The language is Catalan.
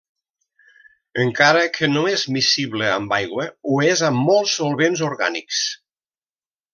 Encara que no és miscible amb aigua ho és amb molts solvents orgànics.